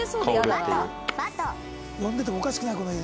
呼んでてもおかしくない？